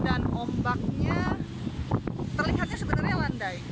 dan ombaknya terlihatnya sebenarnya landai